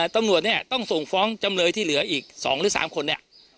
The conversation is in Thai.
ตำรวจเนี่ยต้องส่งฟ้องจำเลยที่เหลืออีก๒หรือ๓คนเนี่ย